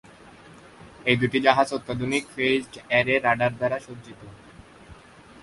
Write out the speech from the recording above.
এই দুইটি জাহাজ অত্যাধুনিক "ফেজড-অ্যারে" রাডার দ্বারা সজ্জিত।